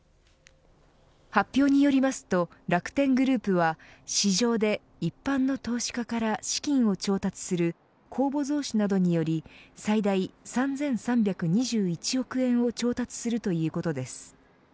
発表によりますと楽天グループは市場で一般の投資家から資金を調達する公募増資などにより最大３３２１億円を調達するということです。